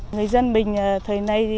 người dân mình thời nay